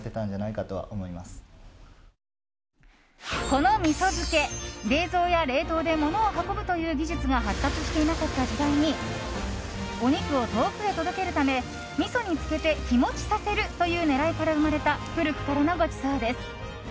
この味噌漬け、冷蔵や冷凍で物を運ぶという技術が発達していなかった時代にお肉を遠くへ届けるためみそに漬けて日持ちさせるという狙いから生まれた古くからのごちそうです。